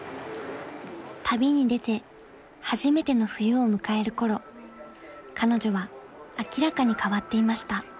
［旅に出て初めての冬を迎えるころ彼女は明らかに変わっていました］